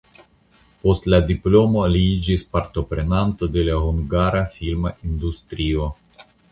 Post la diplomo li iĝis partoprenanto de la hungara filma industrio.